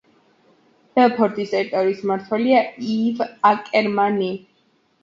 ბელფორის ტერიტორიის მმართველია ივ აკერმანი.